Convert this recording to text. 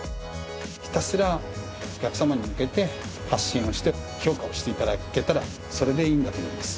ひたすらお客様に向けて発信をして評価をしていただけたらそれでいいんだと思います